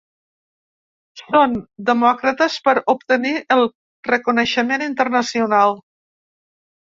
Són demòcrates per obtenir el reconeixement internacional.